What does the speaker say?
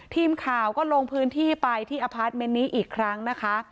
ทีมค่าวก็ลงพื้นที่ไปที่ว่ากลุ่มอุณหภาษณ์ฤรษนี้อีกครั้งนะคะ